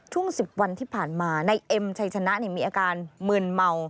ช่วง๑๐วันที่ผ่านมานายเอ็มชัยชนะมีอาการมืนเมา